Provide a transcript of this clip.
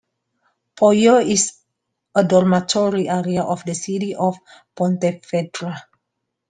Poio is a dormitory area of the city of Pontevedra.